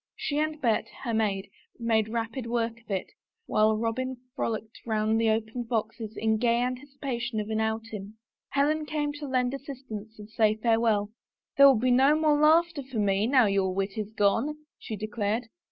She and Bet, her maid, made rapid work of it, while Robin frolicked round the opened boxes in gay anticipation of an outing. Helen came to lend assistance and say farewell. " There will be no more laughter for me now your wit is gone," she declared.